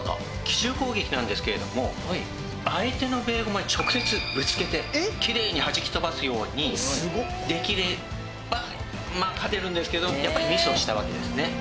奇襲攻撃なんですけれども相手のベーゴマに直接ぶつけてキレイにはじき飛ばすようにできればまあ勝てるんですけどやっぱりミスをしたわけですね。